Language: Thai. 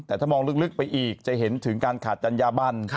แต่ถ้ามองลึกไปอีกจะเห็นถึงการขาดจัญญาบัน